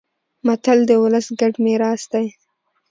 متل د ولس ګډ میراث دی